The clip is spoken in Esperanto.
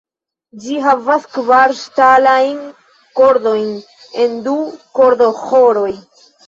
Ĝi havas kvar ŝtalajn kordojn en du kordoĥoroj.